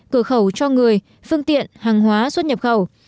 cửa khẩu cho người phương tiện hàng hóa xuất nhập khẩu